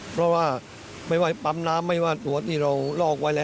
เพราะว่าไม่ว่าปั๊มน้ำไม่ว่าตัวที่เราลอกไว้แล้ว